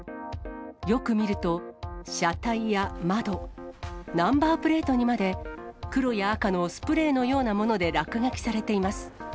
よく見ると、車体や窓、ナンバープレートにまで、黒や赤のスプレーのようなもので落書きされています。